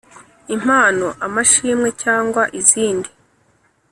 Impano amashimwe cyangwa izindi